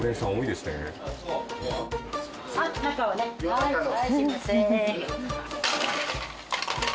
はいすいません。